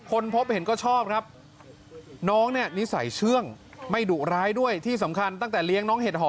คนพบเห็นก็ชอบครับน้องนี่นิสัยเชื่องไม่ดุร้ายด้วย